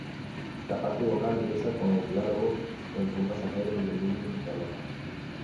La parte vocal empieza con el diálogo entre un pasajero y un niño limpiabotas.